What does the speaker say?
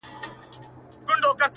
په دې اور سو موږ تازه پاته کېدلای!